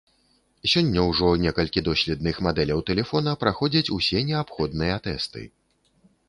Сёння ўжо некалькі доследных мадэляў тэлефона праходзяць усе неабходныя тэсты.